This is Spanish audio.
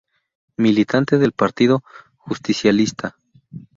Militante del Partido Justicialista.